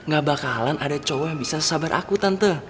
gak bakalan ada cowok yang bisa sabar aku tante